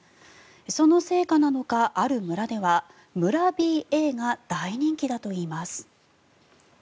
その成果なのか、ある村では村ＢＡが大人気だといいます。